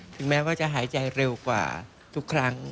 แม้ว่าจะหายใจเร็วกว่าทุกครั้ง